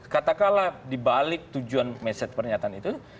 katakanlah di balik tujuan meset pernyataan itu